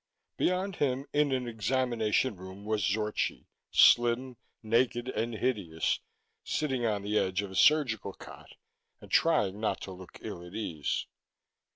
Beyond him, in an examination room, was Zorchi, slim, naked and hideous, sitting on the edge of a surgical cot and trying not to look ill at ease.